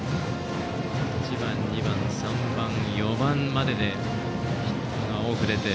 １番、２番、３番、４番まででヒットが多く出て。